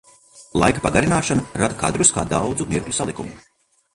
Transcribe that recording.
Laika pagarināšana rada kadrus kā daudzu mirkļu salikumu.